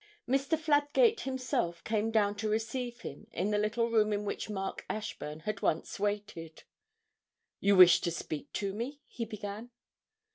Mr. Fladgate himself came down to receive him in the little room in which Mark Ashburn had once waited. 'You wished to speak to me?' he began.